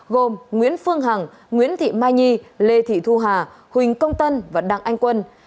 gồm nguyễn phương hằng nguyễn thị mai nhi lê thị thu hà huỳnh công tân và đặng anh quân